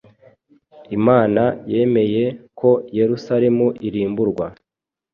Imana yemeye ko Yerusalemu irimburwa